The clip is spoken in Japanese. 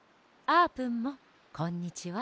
あーぷんもこんにちは。